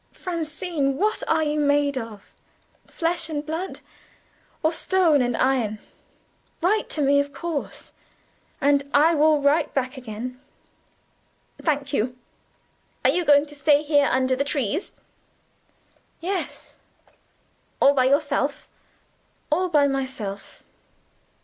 Francine! what are you made of! Flesh and blood? or stone and iron? Write to me of course and I will write back again." "Thank you. Are you going to stay here under the trees?" "Yes." "All by yourself?" "All by myself."